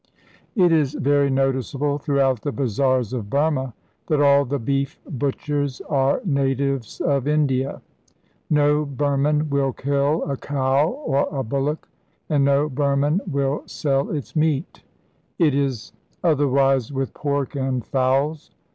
_ It is very noticeable throughout the bazaars of Burma that all the beef butchers are natives of India. No Burman will kill a cow or a bullock, and no Burman will sell its meat. It is otherwise with pork and fowls.